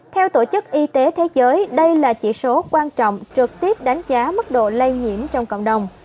theo tổ chức y tế thế giới đây là chỉ số quan trọng trực tiếp đánh giá mức độ lây nhiễm trong cộng đồng